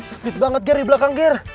speed banget ger di belakang ger